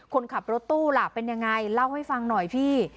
คนขับรถตู้ล่ะเป็นยังไงเล่าให้ฟังหน่อยพี่